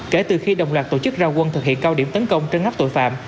kể từ khi đồng loạt tổ chức ra quân thực hiện cao điểm tấn công trấn áp tội phạm